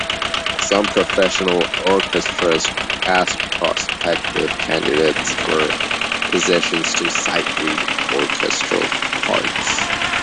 Some professional orchestras ask prospective candidates for positions to sight-read orchestral parts.